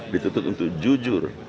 dituntut untuk jujur